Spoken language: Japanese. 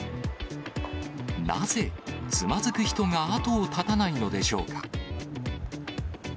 なぜつまずく人が後を絶たないのでしょうか。